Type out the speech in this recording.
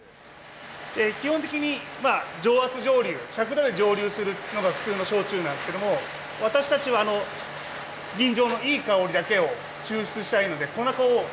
基本的に常圧蒸留１００度で蒸留するのが普通の焼酎なんですけども私たちは吟醸のいい香りだけを抽出したいのでこの中を真空にします。